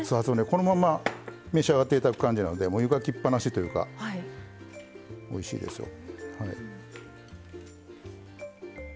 このまま召し上がっていただく感じなのでもう湯がきっぱなしというかおいしいですよ。